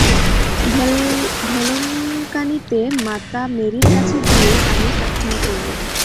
ভেলঙ্কানিতে মাতা মেরির কাছে গিয়ে আমি প্রার্থনা করব।